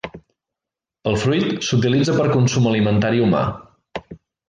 El fruit s'utilitza per a consum alimentari humà.